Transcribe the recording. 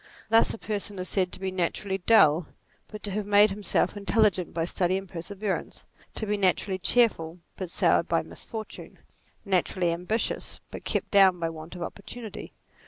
Thus a person is said to be naturally dull, but to have made himself intel ligent by study and perseverance ; to be naturally cheerful, but soured by misfortune ; naturally ambi tious, but kept down by want of opportunity.